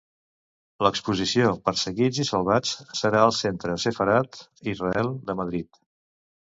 L'exposició "Perseguits i Salvats" serà al Centre Sefarad-Israel de Madrid.